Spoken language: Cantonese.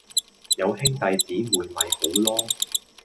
有兄弟姐妹咪好囉